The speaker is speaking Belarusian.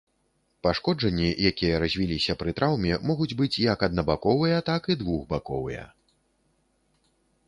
Пашкоджанні, якія развіліся пры траўме, могуць быць як аднабаковыя так і двухбаковыя.